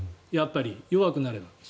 やっぱり弱くなれば。